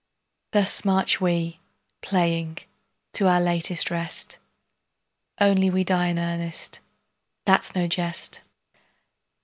Thus march we, playing, to our latest rest, Only we die in earnest, that's no jest.